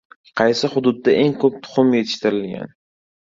Qaysi hududda eng ko‘p tuxum yetishtirilgan?